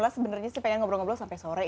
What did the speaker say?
sebenarnya sih pengen ngobrol ngobrol sampai sore